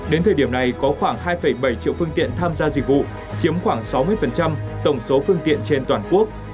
đến thời điểm này có khoảng hai bảy triệu phương tiện tham gia dịch vụ chiếm khoảng sáu mươi tổng số phương tiện trên toàn quốc